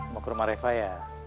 mau ke rumah reksa ya